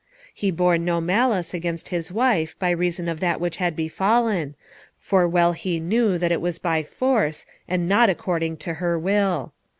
He bore no malice against his wife by reason of that which had befallen, for well he knew that it, was by force, and not according to her will.